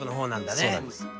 そうなんですはい。